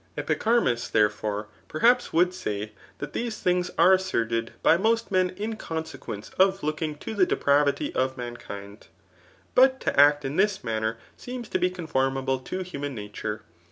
Epicharmus, therefore, perhaps would say, that these things are asserted by most men, in consequence of looking to the depravity of mankind ; but to act in this manner seems to be conformable to human nature.